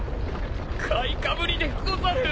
買いかぶりでござる。